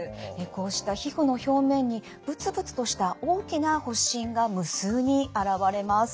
こうした皮膚の表面にブツブツとした大きな発疹が無数に現れます。